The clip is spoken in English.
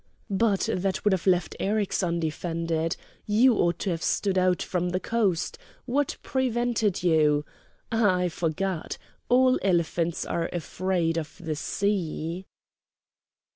"But that would have left Eryx undefended. You ought to have stood out from the coast; what prevented you? Ah! I forgot! all elephants are afraid of the sea!"